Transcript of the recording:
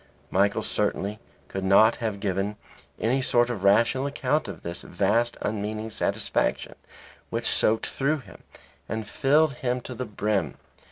Michael certainly could not have given any sort of rational account of this vast unmeaning satisfaction which soaked through him and filled him to the brim.